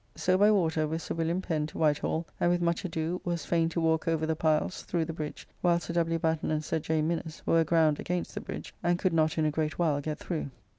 So by water with Sir Wm. Pen to White Hall; and, with much ado, was fain to walk over the piles through the bridge, while Sir W. Batten and Sir J. Minnes were aground against the bridge, and could not in a great while get through.